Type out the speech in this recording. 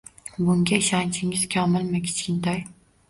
Bunga ishonchingiz komilmi, Kichkintoy